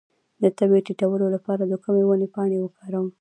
د تبې د ټیټولو لپاره د کومې ونې پاڼې وکاروم؟